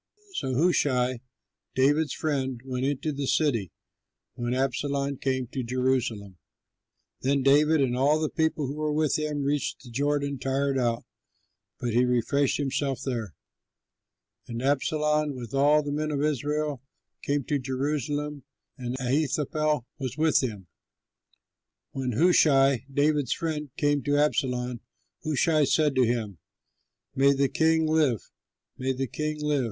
So Hushai, David's friend, went into the city, when Absalom came to Jerusalem. Then David and all the people who were with him, reached the Jordan tired out, but he refreshed himself there. And Absalom, with all the men of Israel, came to Jerusalem, and Ahithophel was with him. When Hushai, David's friend, came to Absalom, Hushai said to him, "May the king live, may the king live!"